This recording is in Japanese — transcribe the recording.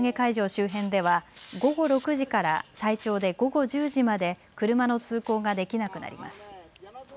周辺では午後６時から最長で午後１０時まで車の通行ができなくなります。